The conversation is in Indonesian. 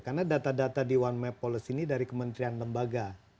karena data data di one map policy ini dari kementerian lembaga